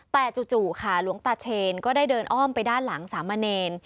แต่จู่ค่ะหลวงตาเชนก็ได้เดินอ้อมไปด้านหลังสามเณร